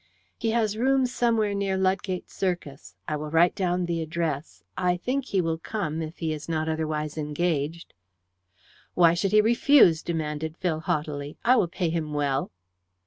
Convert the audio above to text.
"He has rooms somewhere near Ludgate Circus. I will write down the address. I think he will come, if he is not otherwise engaged." "Why should he refuse?" demanded Phil haughtily. "I will pay him well."